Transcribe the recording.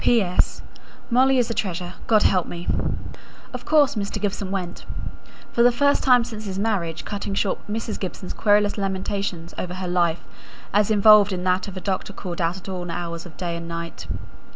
P.S. Molly is a treasure. God help me! Of course Mr. Gibson went; for the first time since his marriage cutting short Mrs. Gibson's querulous lamentations over her life, as involved in that of a doctor called out at all hours of day and night.